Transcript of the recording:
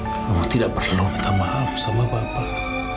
kamu tidak pernah minta maaf sama bapak